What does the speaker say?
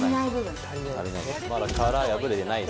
まだ殻破れてないんすね。